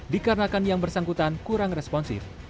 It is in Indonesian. dikarenakan yang bersangkutan kurang responsif